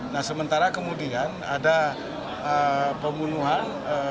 nah sementara kemudian ada pembunuhan